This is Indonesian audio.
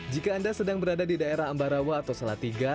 jika anda sedang berada di daerah ambarawa atau salatiga